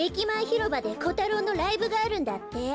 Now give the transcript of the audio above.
ひろばでコタロウのライブがあるんだって。